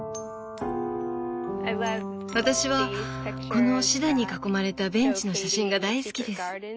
私はこのシダに囲まれたベンチの写真が大好きです。